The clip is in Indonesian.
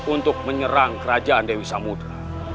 untuk menyerang kerajaan dewi samudera